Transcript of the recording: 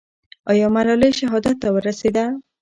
آیا ملالۍ شهادت ته ورسېده؟